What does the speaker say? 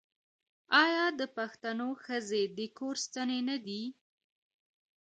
آیا د پښتنو ښځې د کور ستنې نه دي؟